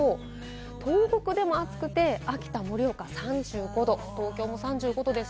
東北でも暑くて、秋田、盛岡３５度、東京も３５度です。